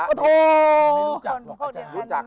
ไม่รู้จัก